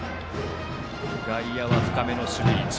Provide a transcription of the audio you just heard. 外野は深めの守備位置。